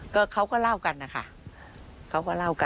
ก็เขาก็เล่ากันนะคะเขาก็เล่ากัน